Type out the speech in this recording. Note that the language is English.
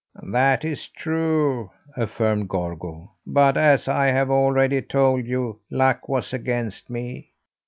"That is true," affirmed Gorgo, "but as I have already told you, luck was against me.